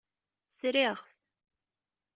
Sriɣ-t.